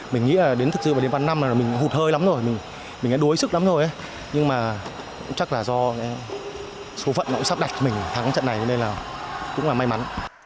mình đã đuối sức lắm rồi nhưng mà chắc là do số phận nó sắp đạch mình thắng trận này nên là cũng là may mắn